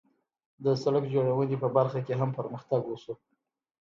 د سړک جوړونې په برخه کې هم پرمختګ وشو.